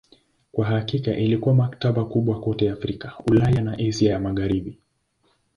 Kwa hakika ilikuwa maktaba kubwa kote Afrika, Ulaya na Asia ya Magharibi.